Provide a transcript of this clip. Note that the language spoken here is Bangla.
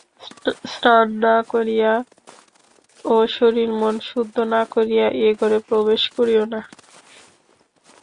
স্নান না করিয়া ও শরীর মন শুদ্ধ না করিয়া এ-ঘরে প্রবেশ করিও না।